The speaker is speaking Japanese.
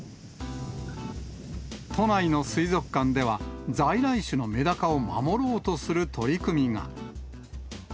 都内の水族館では、在来種のメダカを守ろうとする取り組みが。